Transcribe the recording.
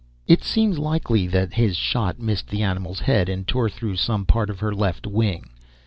It seems likely that his shot missed the animal's head and tore through some part of her left wing.